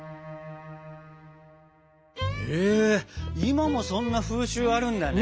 へえ今もそんな風習あるんだね！